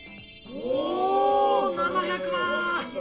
おお７００万！